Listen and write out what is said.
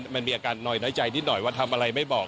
มันมีอาการหน่อยน้อยใจนิดหน่อยว่าทำอะไรไม่บอก